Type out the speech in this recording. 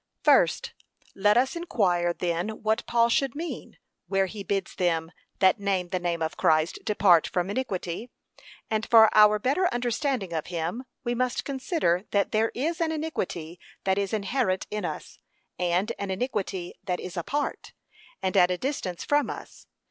FIRST Let us inquire then what Paul should mean, where he bids them 'that name the name of Christ depart from iniquity.' And for our better understanding of him, we must consider that there is an iniquity that is inherent in us, and an iniquity that is apart, and at a distance from us.